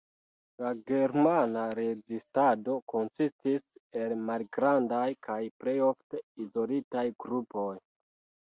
La Germana rezistado konsistis el malgrandaj kaj plej ofte izolitaj grupoj.